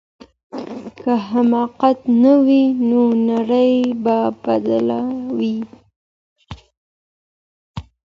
که حماقت نه وای نو نړۍ به بدله وای.